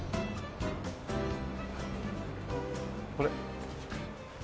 これ？